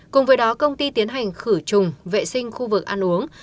cùng với đó công ty tiến hành khử trùng vệ sinh khu vực ăn uống